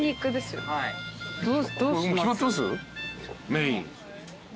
メイン。